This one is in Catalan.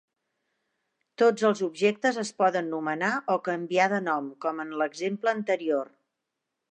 Tots els objectes es poden nomenar o canviar de nom, com en l'exemple anterior.